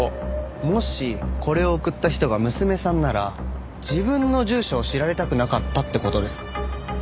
もしこれを送った人が娘さんなら自分の住所を知られたくなかったって事ですか？